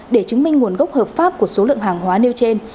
để chứng minh nguồn gốc hợp pháp của số lượng hàng hóa nêu trên